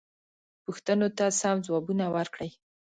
پوښتنو ته سم ځوابونه ورکړئ.